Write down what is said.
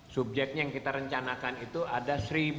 subjeknya yang kita rencanakan itu ada seribu enam ratus dua puluh